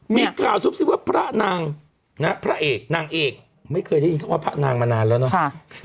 มีข่าวซุบซิบว่าพระนางพระเอกนางเอกไม่เคยได้ยินคำว่าพระนางมานานแล้วเนาะ